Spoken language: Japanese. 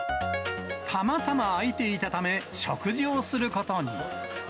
たまたま開いていたため、食事をすることに。